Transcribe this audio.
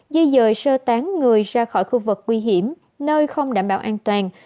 di dời sơ tán người ra khỏi khu vực nguy hiểm nơi không đảm bảo an toàn